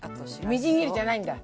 みじん切りじゃないんだ。